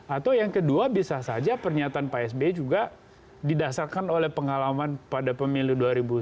atau yang kedua bisa saja pernyataan pak sbe juga didasarkan oleh pengalaman pada pemilu dua ribu sembilan belas